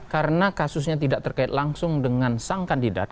karena kasusnya tidak terkait langsung dengan sang kandidat